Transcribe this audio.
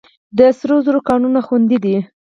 د سرو زرو کانونه خوندي دي؟